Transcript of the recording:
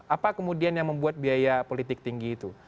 apa kemudian yang membuat biaya politik tinggi itu